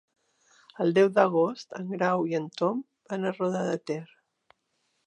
El deu d'agost en Grau i en Tom van a Roda de Ter.